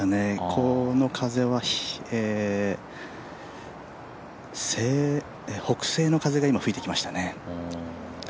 この風は北西の風が今吹いてきましたね。